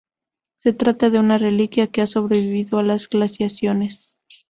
Se trata de una reliquia que ha sobrevivido a las glaciaciones.